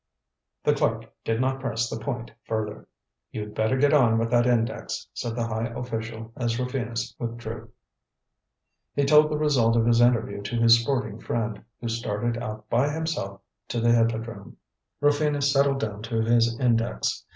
The clerk did not press the point further. "You'd better get on with that index," said the high official as Rufinus withdrew. He told the result of his interview to his sporting friend, who started out by himself to the Hippodrome. Rufinus settled down to his index.